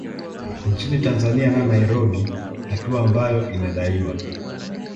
Nchini Tanzania na Nairobi hatua ambayo inadaiwa